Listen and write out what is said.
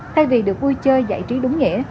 thay vì được vui chơi giải trí đúng nghĩa